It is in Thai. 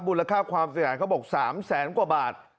ค่าความเสียหายเขาบอก๓แสนกว่าบาท